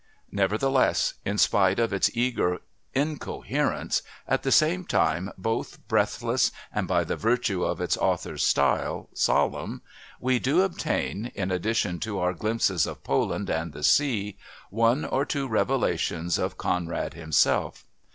Nevertheless, in spite of its eager incoherence, at the same time both breathless, and, by the virtue of its author's style, solemn, we do obtain, in addition to our glimpses of Poland and the sea, one or two revelations of Conrad himself.